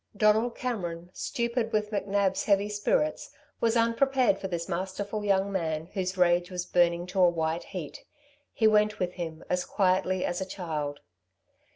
Donald Cameron, stupid with McNab's heavy spirits, was unprepared for this masterful young man whose rage was burning to a white heat. He went with him as quietly as as a child.